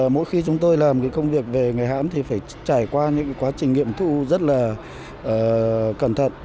mỗi khi chúng tôi làm cái công việc về người hãm thì phải trải qua những quá trình nghiệm thu rất là cẩn thận